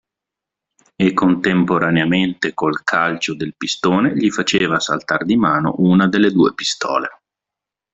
E contemporaneamente col calcio del pistone gli faceva saltar di mano una delle due pistole.